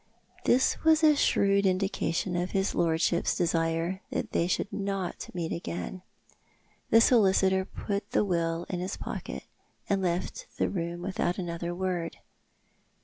This was a shrewd indication of his lordship's desire that they should not meet again. The solicitor put the will in his pocket, and left the room without another word.